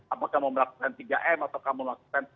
apakah mau melakukan tiga m atau mau melakukan tracing